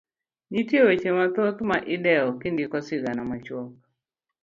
Nitie weche mathoth ma idewo kindiko sigana machuok.